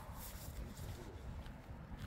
你好嘢